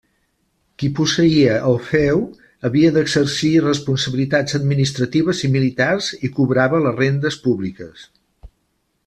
Qui posseïa el feu havia d'exercir responsabilitats administratives i militars i cobrava les rendes públiques.